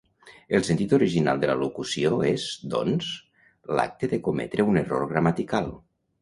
El sentit original de la locució és, doncs, l'acte de cometre un error gramatical.